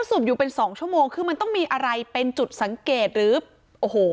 สูบอยู่เป็นสองชั่วโมงคือมันต้องมีอะไรเป็นจุดสังเกตหรือโอ้โห